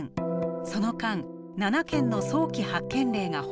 その間７件の早期発見例が報告されました。